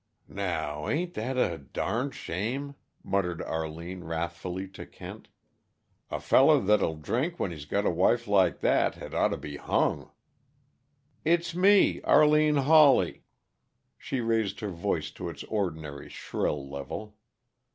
"Now, ain't that a darned shame?" muttered Arline wrathfully to Kent. "A feller that'll drink when he's got a wife like that had oughta be hung! "It's me, Arline Hawley!" She raised her voice to its ordinary shrill level.